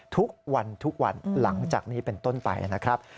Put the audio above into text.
ทุกวันทุกวันหลังจากนี้เป็นต้นไปนะครับ